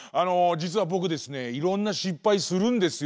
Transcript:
じつはぼくですねいろんな失敗するんですよ。